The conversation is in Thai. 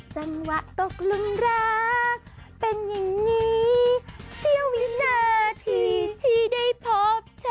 จังหวะตกลุ้นรักเป็นอย่างนี้เสี้ยววินาทีที่ได้พบเธอ